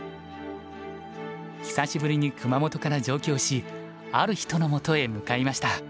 久しぶりに熊本から上京しある人のもとへ向かいました。